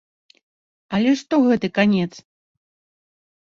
Але што гэты канец?